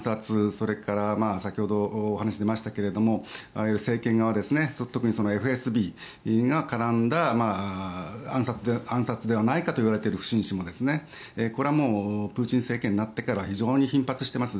それから先ほどお話に出ましたがいわゆる政権側特にＦＳＢが絡んだ暗殺ではないかといわれている不審死もこれはもうプーチン政権になってから非常に頻発しています。